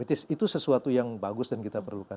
itu sesuatu yang bagus dan kita perlukan